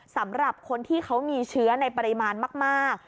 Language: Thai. สำหรับคนที่เขามีเชื้อในปริมาณมาก